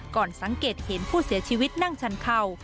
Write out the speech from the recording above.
ก่อนสังเกตเห็นผู้เสียชีวิตนั่งชันเข่า